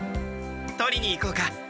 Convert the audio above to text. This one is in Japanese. とりに行こうか！